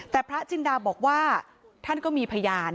แต่พระจินดาบอกว่าท่านก็มีพยาน